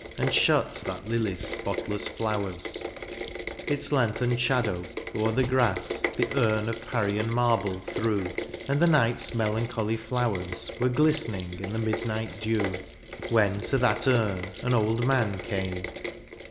And shut that lily's spotless flowers : Its lengthened shadow o'er the grass The urn of Parian marble threw. And the night's melancholy flowers Were gUstening in the midnight dew :— When to that urn an old man came.